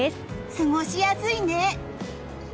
過ごしやすいね。